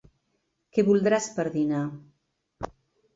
Què voldràs per dinar?